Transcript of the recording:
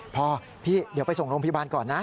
พอพี่เดี๋ยวไปส่งโรงพยาบาลก่อนนะ